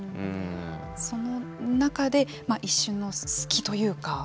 その中で一瞬の隙というか。